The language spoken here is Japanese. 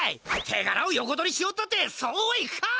てがらを横取りしようったってそうはいくか！